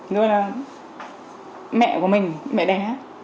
rồi là mẹ của mình mẹ đẻ